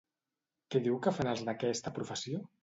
Què diu que fan els d'aquesta professió?